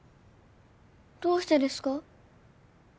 どうしてですか？